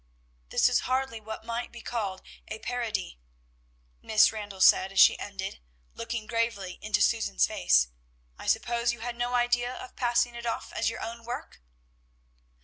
"This is hardly what might be called a parody," Miss Randall said as she ended, looking gravely into Susan's face. "I suppose you had no idea of passing it off as your own work?"